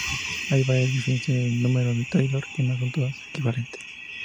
Hay varias definiciones del número de Taylor que no son todas equivalentes.